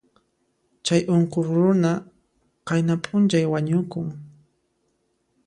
Chay unquq runa qayna p'unchay wañukun.